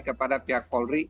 kepada pihak polri